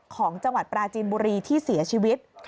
ของจังหวัดปราจีนบุรีที่เสียชีวิต